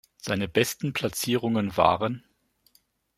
Seine besten Platzierungen waren